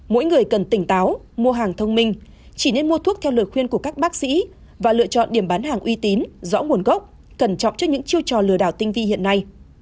mỗi người cần tỉnh táo mua hàng thông minh chỉ nên mua thuốc theo lời khuyên của các bác sĩ và lựa chọn điểm bán hàng uy tín rõ nguồn gốc cẩn trọng cho những chiêu trò lừa đảo tinh vi hiện nay